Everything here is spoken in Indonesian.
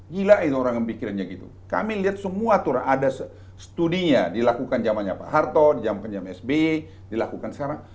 gila itu orang yang mikirnya gitu kami lihat semua turun ada studinya dilakukan jamannya pak harto jam jam sby dilakukan sekarang